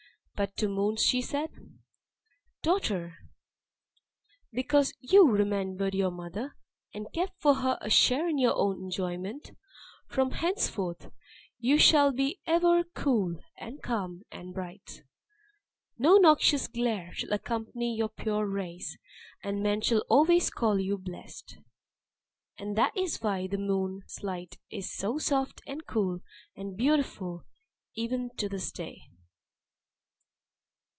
But to Moon she said, "Daughter, because you remembered your mother, and kept for her a share in your own enjoyment, from henceforth you shall be ever cool, and calm, and bright. No noxious glare shall accompany your pure rays, and men shall always call you 'blessed.'" (And that is why the moon's light is so soft, and cool, and beautiful even to this day.)